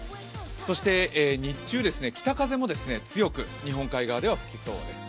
そして日中、北風も強く日本海側では吹きそうです。